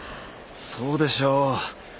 そうでしょう。